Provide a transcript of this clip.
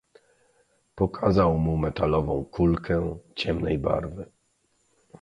"Pokazał mu metalową kulkę ciemnej barwy."